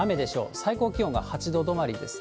最高気温が８度止まりですね。